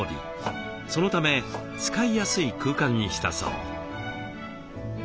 そのため使いやすい空間にしたそう。